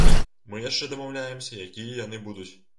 Мы яшчэ дамаўляемся, якія яны будуць.